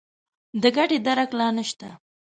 د ګټې درک لا نه شته.